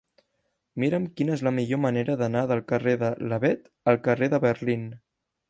Mira'm quina és la millor manera d'anar del carrer de l'Avet al carrer de Berlín.